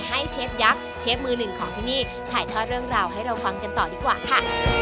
เชฟยักษ์เชฟมือหนึ่งของที่นี่ถ่ายทอดเรื่องราวให้เราฟังกันต่อดีกว่าค่ะ